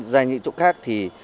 ra những chỗ khác thì